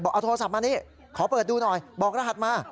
เอาโทรศัพท์มานี่ขอเปิดดูหน่อยบอกรหัสมา